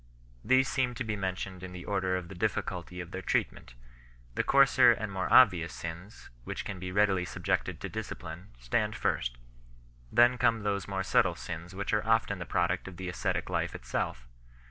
These seem to be mentioned in the order of the difficulty of their treatment. The coarser and more obvious sins, which can be readily subjected to discipline, stand first ; then come those more subtle sins which are often the product of the ascetic life itself.